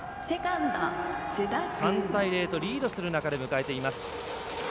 ３対０とリードする中で迎えています。